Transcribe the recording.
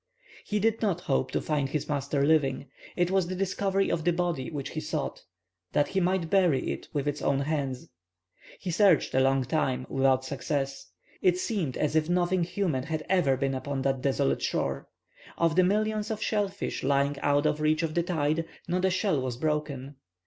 He did not hope to find his master living. It was the discovery of the body which he sought, that he might bury it with his own hands. He searched a long time, without success. It seemed as if nothing human had ever been upon that desolate shore. Of the millions of shell fish lying out of reach of the tide, not a shell was broken.